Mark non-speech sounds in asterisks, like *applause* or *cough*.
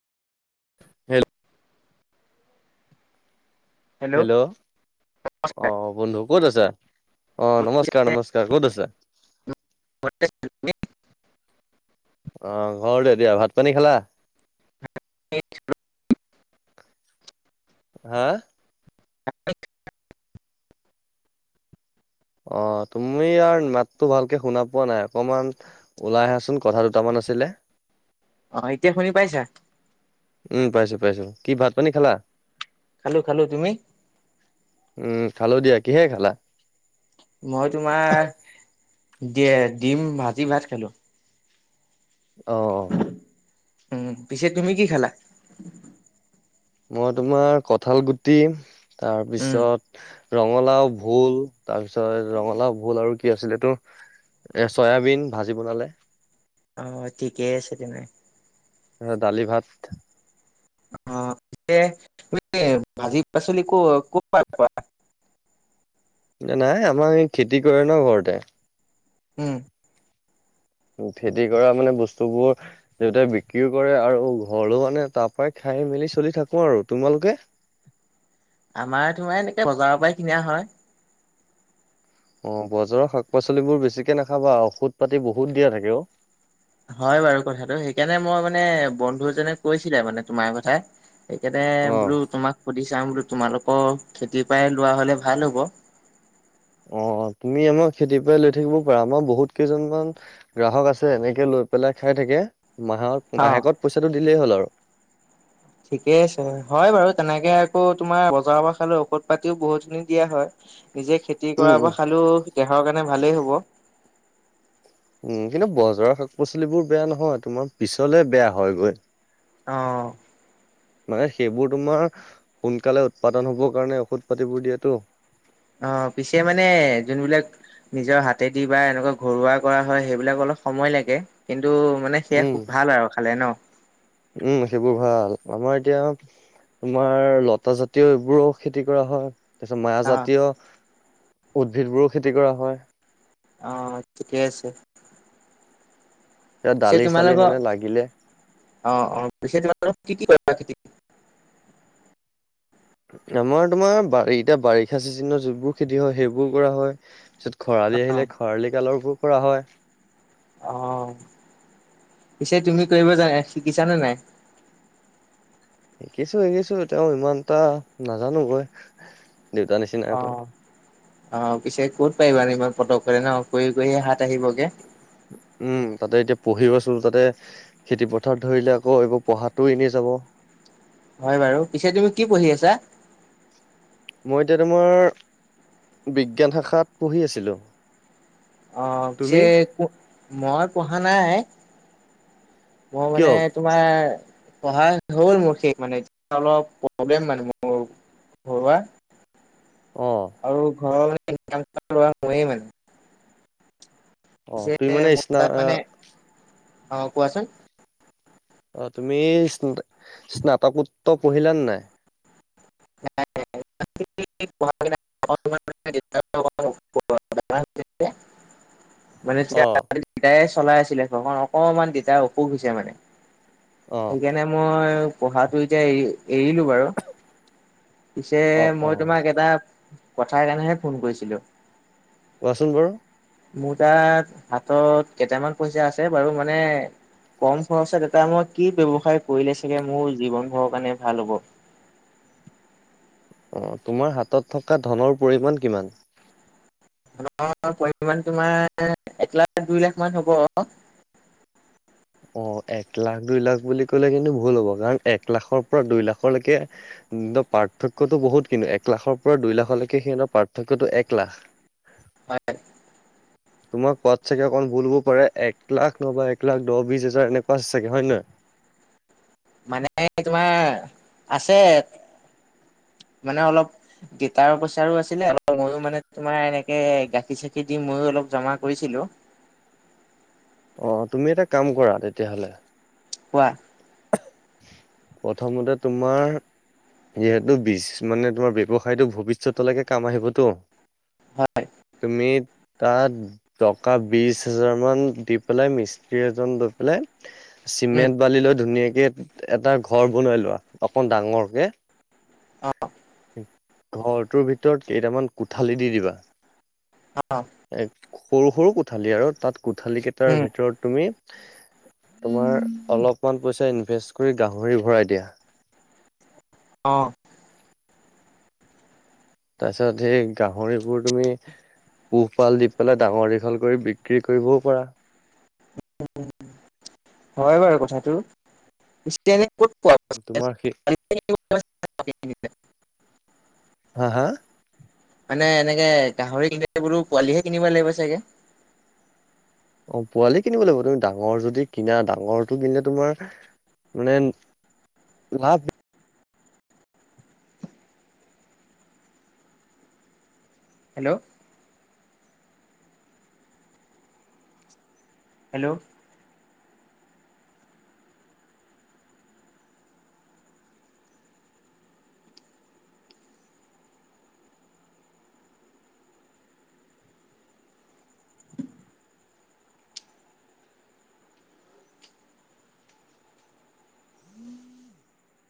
হেল। Hello নমস্কাৰ অঁ বন্ধু ক'ত আছা অঁ নমস্কাৰ নমস্কাৰ ক'ত আছা? অঁ ঘৰতে দিয়া ভাত পানী খালা। *unintelligible* হাঁ। *unintelligible* অঁ তুমি ইয়াৰ মাতটো ভালকে শুনা পোৱা নাই অকমান ওলাই আহাচোন কথা দুটামান আছিলে। অঁ এতিয়া শুনি পাইছা? উম পাইছো পাইছো কি ভাত পানী খালা। খালো খালো তুমি। উম খালো দিয়া কিহে খালা। মই তোমাৰ দিয়ে ডিম ভাজি ভাত খালো। অ অ' উম পিছে তুমি কি খালা? মই তোমাৰ কঠাল গুটি উম তাৰপিছত ৰঙালাও ভোল তাৰপিছত ৰঙালাও ভোল আৰু কি আছিলেটোৰ এ চয়াবিন ভাজি বনালে। অঁ ঠিকেই আছে তেনে। দালি ভাত। অঁ ঠিকে ভাজি পাচলী ক কপা পোৱা? নে নাই আমাৰ এই খেতি কৰে ন ঘৰতে। উম' উম খেতি কৰা মানে বস্তুবোৰ দেউতাই বিক্ৰীও কৰে আৰু ঘৰলো আনে তাৰ পাই খাই মেলি চলি থাকো আৰু তোমালোকে। আমাৰ তোমা এনেকে বজাৰৰ পৰাই কিনা হয়। অ বজাৰৰ শাক পাচলিবোৰ বেছিকে নাখাবা ঔষধ পাতি বহুত দিয়া থাকে অও। হয় বাৰু কথাটো সেইকাৰণে মই মানে বন্ধুএজনে কৈছিলে মানে তোমাৰ কথা। সেইকানে অ', বোলো তোমাক সুধি চাম বোলো তোমালোকৰ খেতিৰ পাই লোৱা হলে ভাল হ'ব। অঁ তুমি আমাৰ খেতিৰ পৰাই লৈ থাকিবও পাৰা আমাৰ বহুত কেইজনমান গ্ৰাহক আছে এনেকে লৈ পেলাই খাই থাকে মাহত অ মাহেকত পইচাটো দিলেই হ'ল আৰু। ঠিকেই আছে হয় বাৰু তেনেকে আকৌ তোমাৰ বজাৰৰ পৰা খালেও ঔষধ পাতিও বহুতখিনি দিয়া হয়। নিজে খেতি উম, কৰা উম, পৰা খালো দেহৰ কাৰণে ভালেই হ'ব। উম কিন্তু বজাৰৰ শাক পাচলিবোৰ বেয়া নহয় তোমাৰ পিছলে বেয়া হয় গৈ। অঁ। মানে সেইবোৰ তোমাৰ সোনকালে উৎপাদন হবৰ কাৰণে ঔষধ পাতিবোৰ দিয়েতো। অঁ পিছে মানে যোনবিলাক নিজৰ হাতেদি বা এনেকুৱা ঘৰুৱা কৰা হয় সেইবিলাক অলপ সময় লাগে কিন্তু মানে সেয়া উম। খুব ভাল আৰু খালে ন। উম সেইবোৰ ভাল আমাৰ এতিয়া- তোমাৰ লতা জাতীয় এইবোৰো খেতি কৰা হয়। তাছত অ', মাজাতীয় উদ্ভিদবোৰো খেতি কৰা হয়। অঁ ঠিকেই আছে। এতিয়া পিছে দালি চালি মানে লাগিলে তোমালোকৰ অ অ পিছে তোমালোকৰ কি কি *inaudible* আমাৰ তোমাৰ বা এতিয়া বাৰিষা চিজনত যিবোৰ খেতি হয় সেইবোৰ কৰা হয়। পিছত খৰালি অ', আহিলে খৰালি কালৰো কৰা হয়। অ, পিছে তুমি কৰিব জানা শিকিছানে নাই? শিকিছো শিকিছো তেওঁ ইমান এটা নাজানো মই দেউতা নিচি অ অ পিছে ক'ত পাৰিবা ইমান পতকতে ন কৰি কৰি হাত আহিবগে। উম তাতে এতিয়া পঢ়ি আছো তাতে খেতিপথাৰ ধৰিলে আকৌ এইবোৰ পঢ়াটো এনে যাব। হয় বাৰু, পিছে তুমি কি পঢ়ি আছা? মই এতিয়া তোমাৰ বিজ্ঞান শাখাত পঢ়ি আছিলো। অ তুমি পিছে কো মই পঢ়া নাই, মই কিয় মানে তোমাৰ পঢ়া হ'ল মোৰ শেষ মানে এ অলপ প্ৰব্লেম মানে মোৰ ঘৰুৱা অ'। আৰু ঘৰৰ মানেক ল *inaudible* মোৱেই মানে অ পিছে তুমি মানে মোৰ স্না তাক মানে অ কোৱাচোন? অ তুমি ইছনা স্নাতকোত্তৰ পঢ়িলানে নাই? ন *inaudible* *inaudible* মানে অ তেতিয়া তিতাই চলাই আছিলে ঘৰখন অকণমান তিতাই অসুখ হৈছে মানে। অ সেইকাৰণে মই পঢ়াটো এতিয়া এৰি এৰিলো বাৰু। পিছে অ অ মই তোমাক এটা কথাৰ কাৰণেহে ফোন কৰিছিলো। কোৱাচোন বাৰু? মোৰ তাত হাতত কেইটামান পইচা আছে বাৰু মানে কম খৰচত এটা মই কি ব্যৱসায় কৰিলে চাগে মোৰ জীৱন ঘৰৰ কাৰণে ভাল হ'ব? অ তোমাৰ হাতত থকা ধনৰ পৰিমাণ কিমান? ধনৰ পৰিমান তোমাৰ এক লাখ দুই লাখমান হ'ব। অ, এক লাখ দুই লাখ বুলি কলে কিন্তু ভুল হ'ব কাৰণ এক লাখৰ পৰা দুই লাখৰলৈকে উম ত পাৰ্থক্যতো বহুত কিনো এক লাখৰ পৰা দুই লাখলৈকে সিহঁতৰ পাৰ্থক্যটো এক লাখ। হয় তোমাক কোৱাত চাগে অঁকন ভুল হব পাৰে এক লাখ নবা এক লাখ দহ - বিছ হাজাৰ এনেকুৱা চাগে হয় নহয়? মানে তোমাৰ আছে মানে অলপ গেইটাৰ পইচাৰো আছিলে, অলপ মইও মানে তোমাৰ এনেকে গাখীৰ - চাখিৰ দি মইও অলপ জমা কৰিছিলো। অ তুমি এটা কাম কৰা তেতিয়াহলে কোৱা? প্ৰথমতে তোমাৰ যিহেতু বিছ মানে তোমাৰ ব্যৱসায়টো ভৱিষ্যতলৈকে কাম আহিবতো। হয়। তুমি তাত টকা বিশ হাজাৰ মান দি পেলাই মিস্ত্ৰী এজন লৈ পেলাই উম চিমেণ্ট বালি লৈ ধুনীয়াকে এটা ঘৰ বনাই লোৱা অকণ ডাঙৰকে অ ঘৰটোৰ ভিতৰত কেইটামান কোঠালি দি দিবা অ। এ সৰু - সৰু কোঠালি আৰু তাত কোঠালি কেইটাৰ উম ভিতৰত তুমি তোমাৰ অলপমান পইচা ইনভেষ্ট কৰি গাহৰি ভৰাই দিয়া। অঁ তাৰপিছত সেই গাহৰিবোৰ তুমি পোহপাল দি পেলাই ডাঙৰ দীঘল কৰি বিক্ৰী কৰিবও পৰা হয় বাৰু কথাটো কতোৱা তোমাৰ সেই হা হা মানে এনেকে গাহৰি কিনিলে বোলো পোৱালিহে কিনিব লাগিব চাগে অ পোৱালি কিনিব লাগিব তুমি ডাঙৰ যদি কিনা ডাঙৰটো কিনিলে তোমাৰ মানে লাভ হেল্ল' হেল্ল'